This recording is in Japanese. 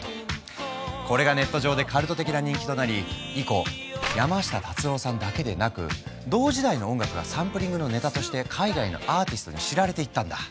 これがネット上でカルト的な人気となり以降山下達郎さんだけでなく同時代の音楽がサンプリングのネタとして海外のアーティストに知られていったんだ。